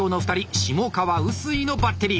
下川臼井のバッテリー。